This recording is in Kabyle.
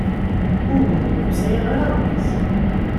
Uhu, ur sɛiɣ ara aɣmis.